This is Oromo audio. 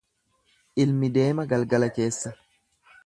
Ilmi deema galgala keessa.